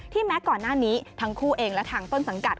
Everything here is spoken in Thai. แม้ก่อนหน้านี้ทั้งคู่เองและทางต้นสังกัด